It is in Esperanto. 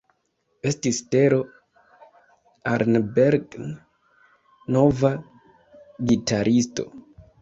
Estis Tero Arnbergn nova gitaristo.